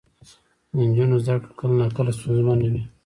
د نجونو زده کړه کله ناکله ستونزمنه وي.